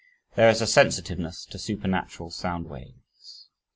There is a sensitiveness to supernatural sound waves.